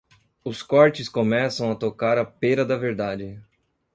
Os cortes começam a tocar a pêra da verdade.